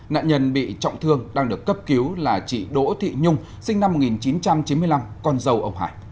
nạn nhân bị trọng thương đang được cấp cứu là chị đỗ thị nhung sinh năm một nghìn chín trăm chín mươi năm con dâu ông hải